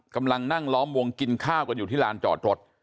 กำลังนั่งล้อมวงกินข้าวกันอยู่ที่ลานจอดรถ